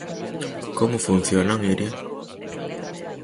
Como funcionan, Iria?